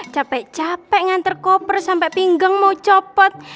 capek capek nganter koper sampai pinggang mau copot